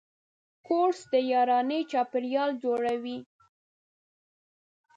کورس د یارانې چاپېریال جوړوي.